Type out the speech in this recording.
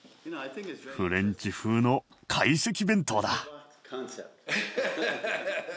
フレンチ風の懐石弁当だ！